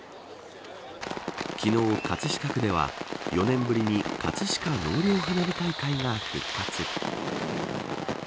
昨日、葛飾区では４年ぶりに葛飾納涼花火大会が復活。